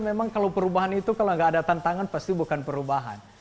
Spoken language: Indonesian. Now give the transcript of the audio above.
memang kalau perubahan itu kalau nggak ada tantangan pasti bukan perubahan